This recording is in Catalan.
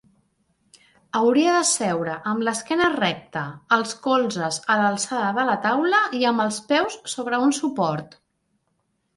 Hauria de seure amb l'esquerra recta, els colzes a l'alçada de la taula i amb els peus sobre un suport.